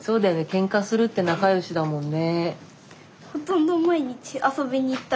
ケンカするって仲よしだもんね。